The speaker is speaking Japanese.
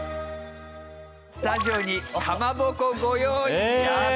スタジオにかまぼこご用意しました。